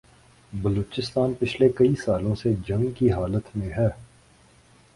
بلوچستان پچھلے کئی سالوں سے جنگ کی حالت میں ہے